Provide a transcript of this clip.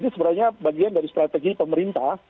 ini sebenarnya bagian dari strategi pemerintah